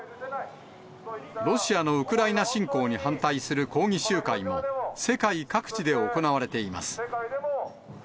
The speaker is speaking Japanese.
ロシアのウクライナ侵攻に反対する抗議集会も、世界各地で行われています。